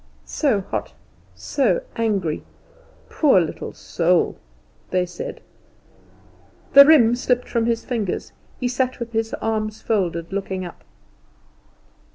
"So hot, so angry, poor little soul?" they said. The riem slipped from his fingers; he sat with his arms folded, looking up.